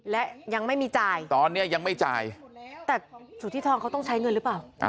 และยังไม่มีจ่ายตอนนี้ยังไม่จ่ายแต่สุธิธรเขาต้องใช้เงินหรือเปล่า